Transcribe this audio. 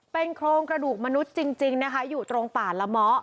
เป็นโครงกระดูกมนุษย์จริงนะคะอยู่ตรงป่าละเมาะ